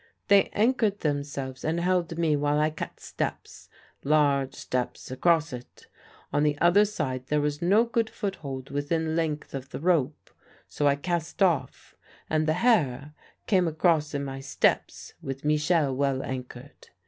"They anchored themselves and held me while I cut steps large steps across it. On the other side there was no good foothold within length of the rope, so I cast off, and the Herr came across in my steps with Michel well anchored.